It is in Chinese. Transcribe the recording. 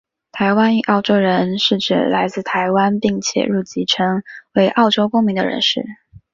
台湾裔澳洲人是指来自台湾并且入籍成为澳洲公民的人士。